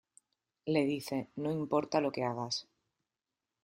Le dice: ""No importa lo que hagas.